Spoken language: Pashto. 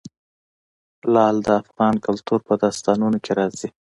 لعل د افغان کلتور په داستانونو کې راځي.